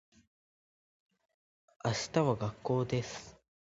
明日は学校です